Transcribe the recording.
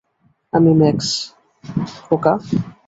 আমি ম্যাক্স, খোকা।